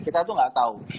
kita tuh nggak tahu